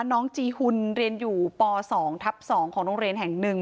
น้องจีหุ่นเรียนอยู่ป๒ทับ๒ของโรงเรียนแห่งหนึ่ง